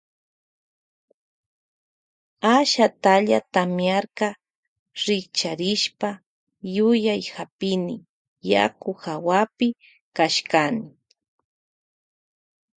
Ashatalla tamiarka rikcharishpa yuyay hapini yaku hawapi kashkani.